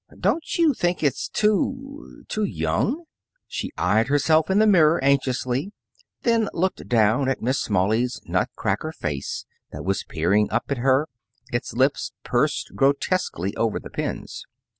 "Don't you think it's too too young?" She eyed herself in the mirror anxiously, then looked down at Miss Smalley's nut cracker face that was peering up at her, its lips pursed grotesquely over the pins.